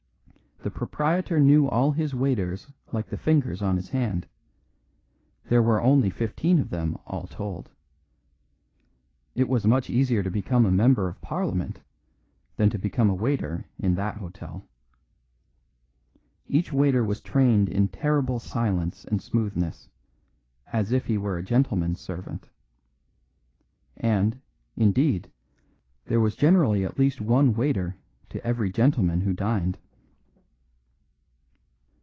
The proprietor knew all his waiters like the fingers on his hand; there were only fifteen of them all told. It was much easier to become a Member of Parliament than to become a waiter in that hotel. Each waiter was trained in terrible silence and smoothness, as if he were a gentleman's servant. And, indeed, there was generally at least one waiter to every gentleman who dined.